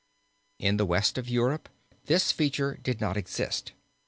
In the West of Europe this feature did not exist.